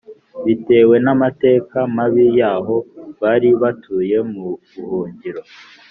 bitewe n amateka mabi y aho bari batuye mu buhungiro